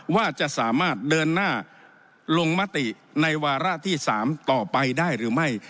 ว่าจะสามารถเดินหน้าลงมติในวาระที่๓ต่อไปได้หรือไม่